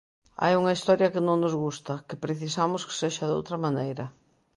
Hai unha Historia que non nos gusta, que precisamos que sexa doutra maneira.